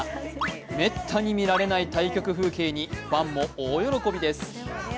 めったに見られない対局風景にファンも大喜びです。